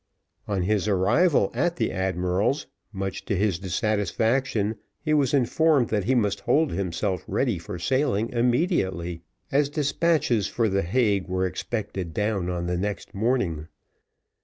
On his arrival at the admiral's, much to his dissatisfaction, he was informed that he must hold himself ready for sailing immediately, as despatches for the Hague were expected down on the next morning.